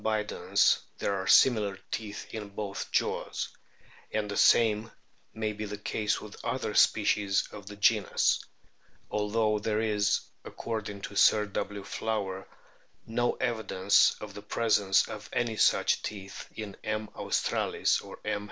bidens there are similar teeth in both jaws,* and the same may be the case with other species of the genus, although there is, according to Sir W. Flower, "no evidence of the presence of any such teeth in M, australis or M.